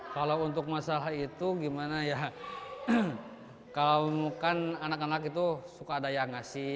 kalau untuk masalah itu gimana ya kalau kan anak anak itu suka ada yang ngasih